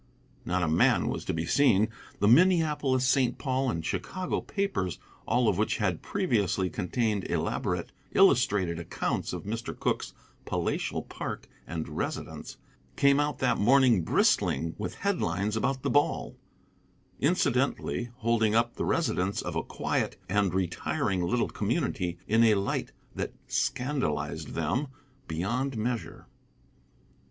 Not a man was to be seen. The Minneapolis, St. Paul, and Chicago papers, all of which had previously contained elaborate illustrated accounts of Mr. Cooke's palatial park and residence, came out that morning bristling with headlines about the ball, incidentally holding up the residents of a quiet and retiring little community in a light that scandalized them beyond measure.